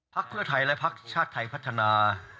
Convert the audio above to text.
ภาคเพื่อไทยและภาคชาติไทยพัฒนา